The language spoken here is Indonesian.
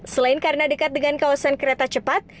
selain karena dekat dengan kawasan kereta cepat